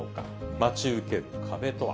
待ち受ける壁とは。